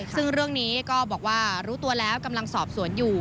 ซึ่งเรื่องนี้ก็บอกว่ารู้ตัวแล้วกำลังสอบสวนอยู่